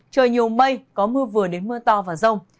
trời nhiều mây có mưa vừa đến mưa to và rông